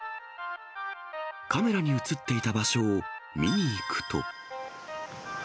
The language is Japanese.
カメラに写っていた場所を見に行くと。